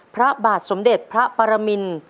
พระบาทสมเด็จพระปรมิน